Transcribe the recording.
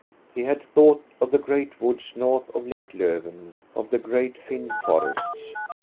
He had thought of the great woods north of lake Lofven, of the great Finn forests.